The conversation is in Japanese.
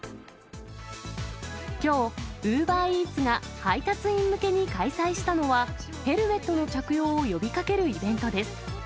きょう、ウーバーイーツが配達員向けに開催したのは、ヘルメットの着用を呼びかけるイベントです。